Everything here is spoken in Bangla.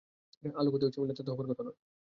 আলোর গতি অসীম হলে তো তা হবার কথা নয়।